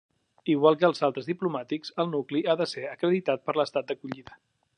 Igual que els altres diplomàtics, el nunci ha de ser acreditat per l'Estat d'acollida.